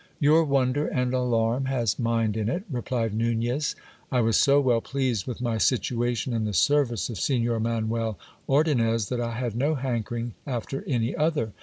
/ Your wonder and alarm has mind in it, replied Nunez. I was so well pleased with my situation in the service of Signor Manuel Ordonnez, that I had no hankering after any other.